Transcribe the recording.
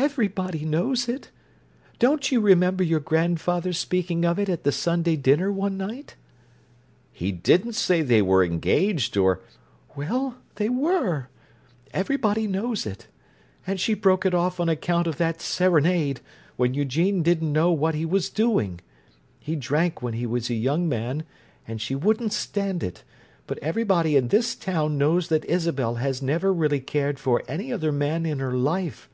"Everybody knows it. Don't you remember your grandfather speaking of it at the Sunday dinner one night?" "He didn't say they were engaged or—" "Well, they were! Everybody knows it; and she broke it off on account of that serenade when Eugene didn't know what he was doing. He drank when he was a young man, and she wouldn't stand it, but everybody in this town knows that Isabel has never really cared for any other man in her life!